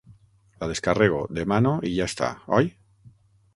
La descarrego, demano i ja està, oi?